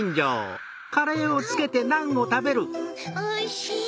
おいしい！